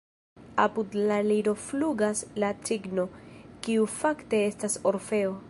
Apud la liro flugas la Cigno, kiu fakte estas Orfeo.